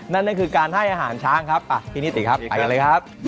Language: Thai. นั่นก็คือการให้อาหารช้างครับพี่นิติครับไปกันเลยครับ